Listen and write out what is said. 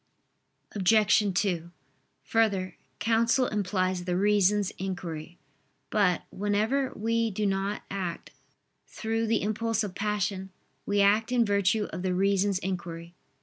Obj. 2: Further, counsel implies the reason's inquiry. But, whenever we do not act through the impulse of passion, we act in virtue of the reason's inquiry.